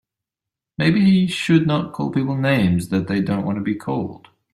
Maybe he should not call people names that they don't want to be called.